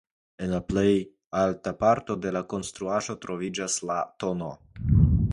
En la plej alta parto de la konstruaĵo troviĝas la tn.